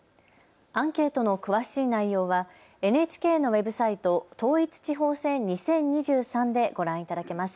アンケートの詳しい内容はＮＨＫのＷＥＢサイト、統一地方選２０２３でご覧いただけます。